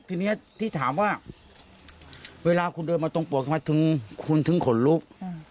ทีนี้ที่ถามว่าเวลาคุณเดินมาตรงปวกทำไมถึงคุณถึงขนลุก